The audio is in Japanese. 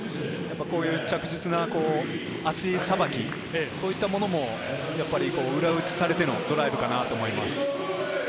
こういう着実な足さばき、そういったものも裏うちされてのドライブかなと思います。